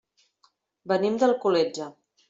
Venim d'Alcoletge.